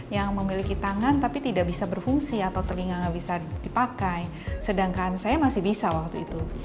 yang memiliki tangan tapi tidak bisa berfungsi atau telinga nggak bisa dipakai sedangkan saya masih bisa waktu itu